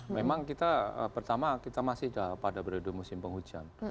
memang kita pertama kita masih pada periode musim penghujan